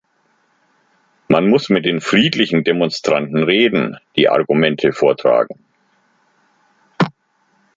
Man muss mit den friedlichen Demonstranten reden, die Argumente vortragen.